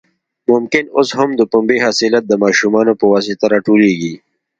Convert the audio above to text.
ممکن اوس هم د پنبې حاصلات د ماشومانو په واسطه راټولېږي.